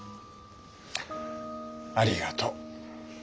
ありがと。